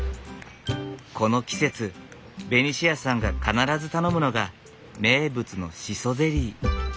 この季節ベニシアさんが必ず頼むのが名物のシソゼリー。